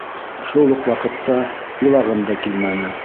Шул уҡ ваҡытта илағым да килмәне.